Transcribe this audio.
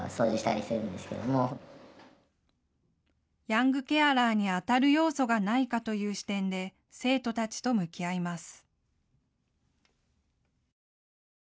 ヤングケアラーにあたる要素がないかという視点で生徒たちと向き合います。